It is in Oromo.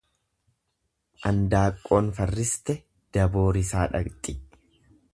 Andaaqqoon farriste daboo risaa dhaqxi.